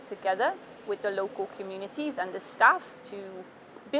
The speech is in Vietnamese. trong việc bảo tồn loài voi